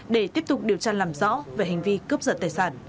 để tiếp tục điều tra làm rõ về hành vi cướp giật tài sản